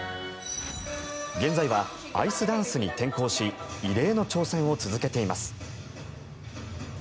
現在はアイスダンスに転向し異例の挑戦を続けています。